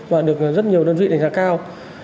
và được rất nhiều đơn vị đánh giá cao